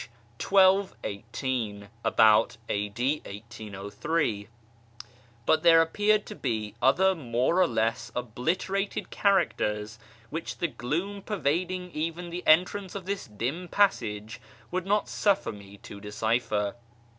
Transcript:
1218 (about a.d. 1803), but there appeared to be other more or less obliterated characters which the gloom pervading even the entrance of this dim passage would not suffer me to decipher.